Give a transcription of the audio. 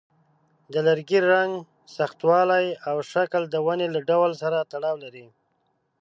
د لرګي رنګ، سختوالی، او شکل د ونې له ډول سره تړاو لري.